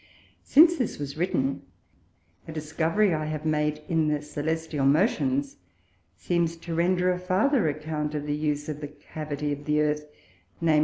Since this was written, a Discovery I have made in the Cœlestial Motions, seems to render a farther Account of the Use of the Cavity of the Earth, _viz.